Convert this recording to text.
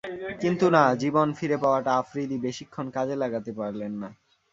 কিন্তু না, জীবন ফিরে পাওয়াটা আফ্রিদি বেশিক্ষণ কাজে লাগাতে পারলেন না।